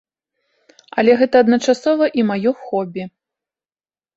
Але гэта адначасова і маё хобі.